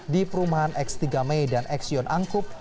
di perumahan x tiga mei dan x yon angkub